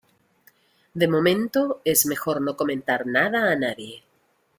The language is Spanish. de momento es mejor no comentar nada a nadie